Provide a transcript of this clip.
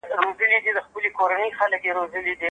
باوري سرچینې تر عادي سرچینو زیات ارزښت لري.